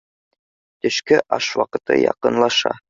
Төшкө аш ваҡыты яҡынлаша.